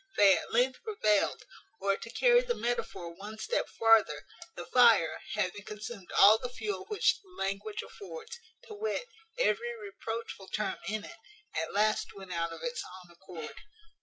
They at length prevailed; or, to carry the metaphor one step farther, the fire, having consumed all the fuel which the language affords, to wit, every reproachful term in it, at last went out of its own accord.